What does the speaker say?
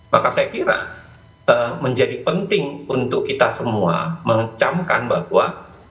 maka saya kira menjadi penting untuk kita semua mengecamkan bahwa